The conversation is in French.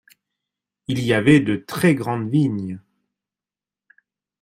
Il y avait de très grandes vignes.